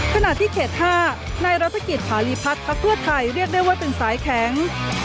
ขณะที่เขต๕นายรัฐกิจภารีพัฒน์ภักดิ์เพื่อไทยเรียกได้ว่าเป็นสายแข็ง